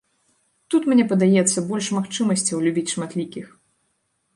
Тут, мне падаецца, больш магчымасцяў любіць шматлікіх.